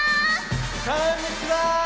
こんにちは！